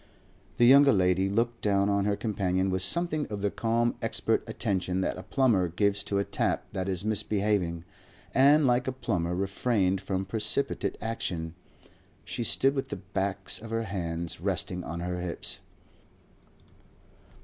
The younger lady looked down on her companion with something of the calm expert attention that a plumber gives to a tap that is misbehaving, and like a plumber refrained from precipitate action. She stood with the backs of her hands resting on her hips.